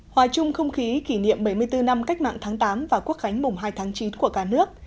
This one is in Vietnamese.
hòa chung không khí kỷ niệm bảy mươi bốn năm cách mạng tháng tám và quốc khánh mùng hai tháng chín của cả nước